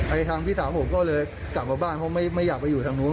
ทางพี่สาวผมก็เลยกลับมาบ้านเพราะไม่อยากไปอยู่ทางนู้น